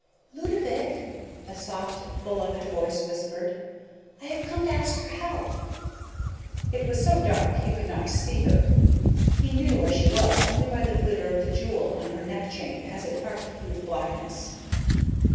"Ludovick," a soft, beloved voice whispered, "I have come to ask your help...." It was so dark, he could not see her; he knew where she was only by the glitter of the jewel on her neck chain as it arced through the blackness.